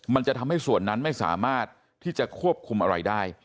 มันจะทำให้ส่วนนั้นไม่สามารถที่จะควบคุมอะไรได้